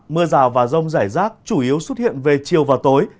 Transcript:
mưa rào và rông rải rác chủ yếu xuất hiện về chiều và tối